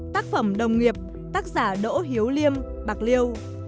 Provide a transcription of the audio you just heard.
tác phẩm đồng nghiệp tác giả đỗ hiếu liêm bạc liêu